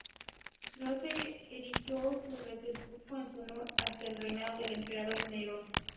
No se erigió un sepulcro en su honor hasta el reinado del emperador Nerón.